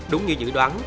đúng như dự đoán